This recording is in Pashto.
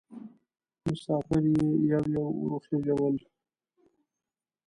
مسافر یې یو یو ور وخېژول.